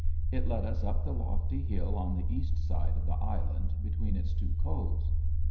It led us up the lofty hill on the east side of the island between its two coves.